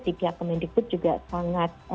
pihak kemendikbud juga sangat